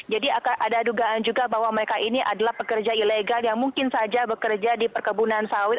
ada dugaan juga bahwa mereka ini adalah pekerja ilegal yang mungkin saja bekerja di perkebunan sawit